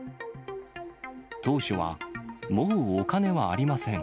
当初は、もうお金はありません。